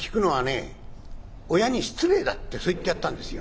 親に失礼だ』ってそう言ってやったんですよ。